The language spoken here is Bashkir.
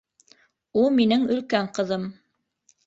— У минең өлкән ҡыҙым!